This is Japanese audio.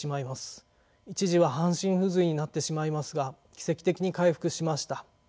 一時は半身不随になってしまいますが奇跡的に回復しました。